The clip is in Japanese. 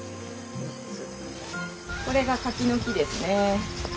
これが柿の木ですね。